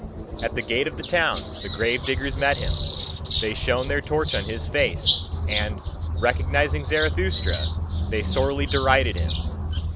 At the gate of the town the grave diggers met him: they shone their torch on his face, and, recognising Zarathustra, they sorely derided him.